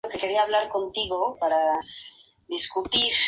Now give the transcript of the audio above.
Sus placas de Hierro, fueron rescatadas.